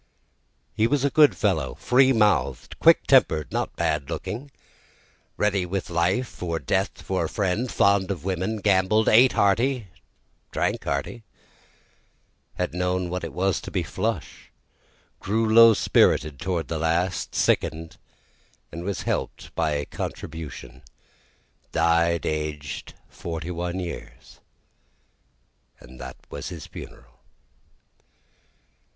He was a good fellow, free mouth'd, quick temper'd, not bad looking, Ready with life or death for a friend, fond of women, gambled, ate hearty, drank hearty, Had known what it was to be flush, grew low spirited toward the last, sicken'd, was help'd by a contribution, Died, aged forty one years and that was his funeral.